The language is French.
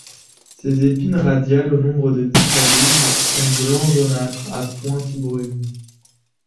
Ses épines radiales au nombre de dix à douze sont blanc-jaunâtre à pointes brunes.